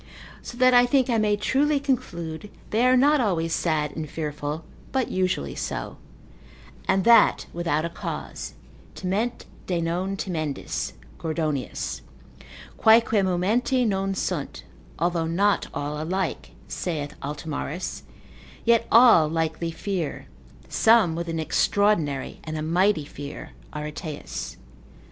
So that I think I may truly conclude, they are not always sad and fearful, but usually so: and that without a cause, timent de non timendis, (Gordonius,) quaeque momenti non sunt, although not all alike (saith Altomarus), yet all likely fear, some with an extraordinary and a mighty fear, Areteus.